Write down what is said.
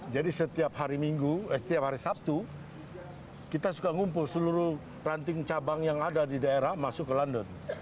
jadi setiap hari minggu setiap hari sabtu kita suka ngumpul seluruh ranting cabang yang ada di daerah masuk ke london